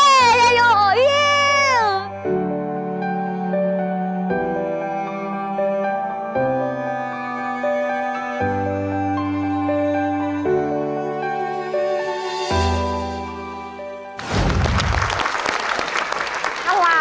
เอาเอาเอาเอาเอาเอาเอาเอาเอาเอาเอาเอาเอาเอาเอา